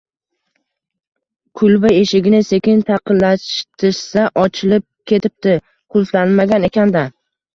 Kulba eshigini sekin taqillatishsa, ochilib ketibdi. Qulflanmagan ekan-da.